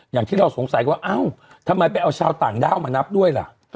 อย่างที่เราสงสัยว่าเอ้าทำไมไปเอาชาวต่างด้าวมานับด้วยล่ะ